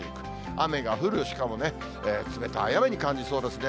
雨が降る、しかも冷たい雨に感じそうですね。